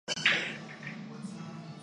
湖广乡试第八十四名。